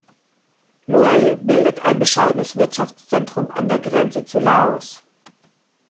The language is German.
Loei bildet ein bescheidenes Wirtschaftszentrum an der Grenze zu Laos.